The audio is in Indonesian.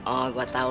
oh gue tahu